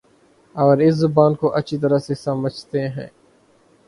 اور اس زبان کو اچھی طرح سے سمجھتے ہیں